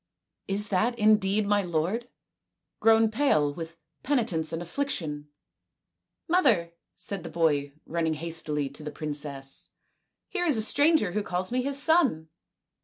" Is that indeed my lord, grown pale with penitence and affliction ?"" Mother," said the boy, running hastily to the princess, " here is a stranger who calls me his son."